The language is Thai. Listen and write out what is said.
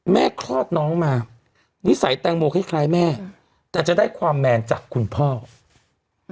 คลอดน้องมานิสัยแตงโมคล้ายคล้ายแม่แต่จะได้ความแมนจากคุณพ่อ